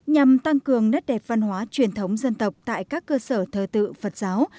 nhằm tăng cường nét đẹp văn hóa truyền thống dân tộc tại các cơ sở thờ tự phật giáo